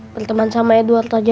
berteman sama edward aja